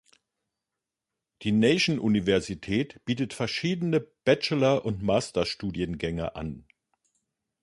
Die Nation-Universität bietet verschiedene Bachelor- und Master-Studiengänge an.